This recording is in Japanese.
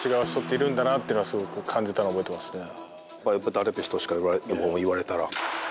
ダルビッシュ投手から言われたら。